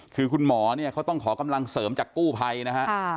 คือคุณหมอเนี่ยเขาต้องขอกำลังเสริมจากกู้ภัยนะฮะ